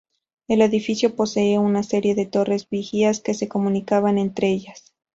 El edificio poseía una serie de torres vigías que se comunicaban entre ellas.